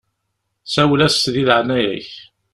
Sawel-as di leɛnaya-k.